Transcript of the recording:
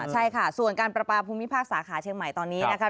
ใช่ค่ะส่วนการประปาภูมิภาคสาขาเชียงใหม่ตอนนี้นะคะ